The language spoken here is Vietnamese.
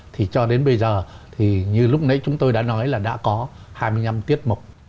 thì cho đến bây giờ thì như lúc nãy chúng tôi đã nói là đã có hai mươi năm tiết mục